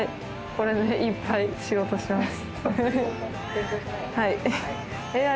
これでいっぱい仕事します。